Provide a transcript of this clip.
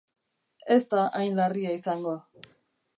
Ez da hain larria izango.